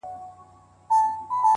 څوک چي ونو سره شپې کوي ـ